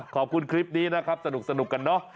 ขอบคุณคลิปนี้นะครับสนุกกันเนอะ